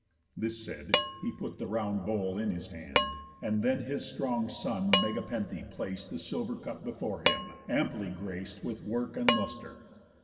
This said, he put the round bowl in his hand, And then his strong son Megapenthe plac'd The silver cup before him, amply grac'd With work and lustre.